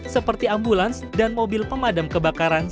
seperti ambulans dan mobil pemadam kebakaran